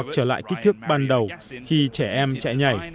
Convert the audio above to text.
trở lại kích thước ban đầu khi trẻ em chạy nhảy